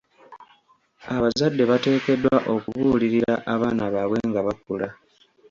Abazadde bateekeddwa okubuulirira abaana baabwe nga bakula.